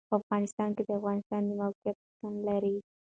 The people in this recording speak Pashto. په افغانستان کې د افغانستان د موقعیت شتون لري.